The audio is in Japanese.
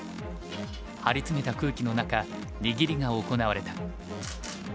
張り詰めた空気の中握りが行われた。